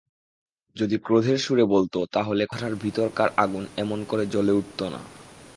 যদি ক্রোধের সুরে বলত তা হলে কথাটার ভিতরকার আগুন এমন করে জ্বলে উঠত না।